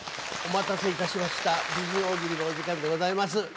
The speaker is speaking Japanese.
お待たせいたしました美人大喜利のお時間でございます。